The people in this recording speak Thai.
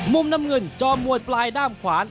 มุมน้ำเงินจอมมวยปลายด้ามขวาน